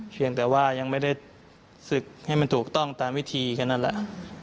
เพียงแต่ว่ายังไม่ได้ศึกให้มันถูกต้องตามวิธีแค่นั้นแหละ